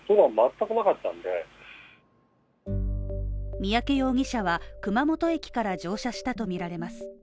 三宅容疑者は熊本駅から乗車したとみられます。